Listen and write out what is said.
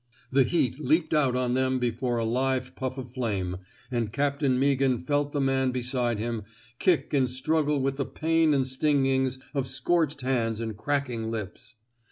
The heat leaped out on them before a live puff of flame, and Captain Meaghan felt the man beside him kick and struggle with the pain and stingings of scorched hands and cracking lips.